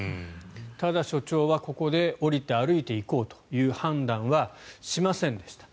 ただ、署長はここで降りて歩いて行こうという判断はしませんでした。